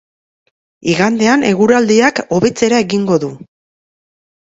Igandean eguraldiak hobetzera egingo du.